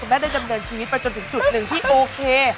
แม่ได้ดำเนินชีวิตไปจนถึงจุดหนึ่งที่โอเค